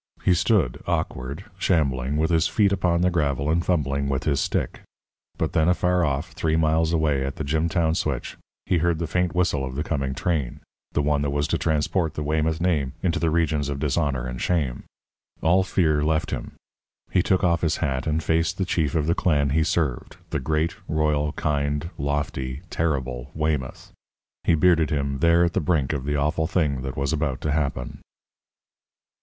He stood, awkward, shambling, with his feet upon the gravel and fumbling with his stick. But then, afar off three miles away, at the Jimtown switch he heard the faint whistle of the coming train, the one that was to transport the Weymouth name into the regions of dishonour and shame. All fear left him. He took off his hat and faced the chief of the clan he served, the great, royal, kind, lofty, terrible Weymouth he bearded him there at the brink of the awful thing that was about to happen.